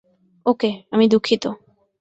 ওকে, আমি দুঃখিত।